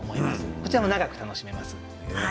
こちらも長く楽しめます。